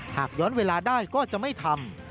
หากย้อนเวลาได้ก็จะไม่ทำ